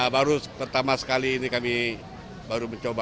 baru pertama sekali ini kami baru mencoba